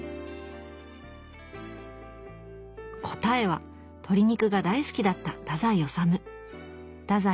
答えは鶏肉が大好きだった太宰治。